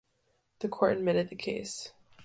The court admitted the case.